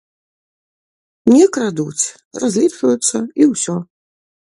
Не крадуць, разлічваюцца, і ўсё.